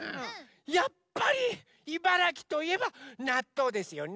やっぱり茨城といえばなっとうですよね。